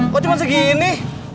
kok cuma segini